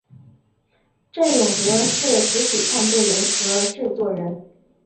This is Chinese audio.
振永则是词曲创作人和制作人。